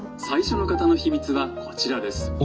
最初の方の秘密はこちらです。